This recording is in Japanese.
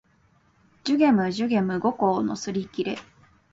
寿限無寿限無五劫のすりきれ